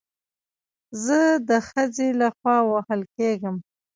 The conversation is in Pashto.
زه د خځې له خوا وهل کېږم